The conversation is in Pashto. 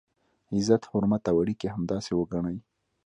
عزت، حرمت او اړیکي همداسې وګڼئ.